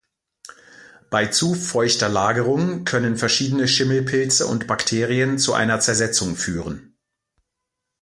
Bei zu feuchter Lagerung können verschiedene Schimmelpilze und Bakterien zu einer Zersetzung führen.